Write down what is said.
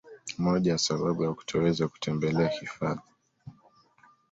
Moja ya sababu ya kutoweza kutembelea hifadhi